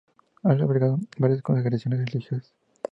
Ha albergado a varias congregaciones religiosas.